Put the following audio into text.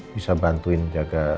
bisa bantuin jaga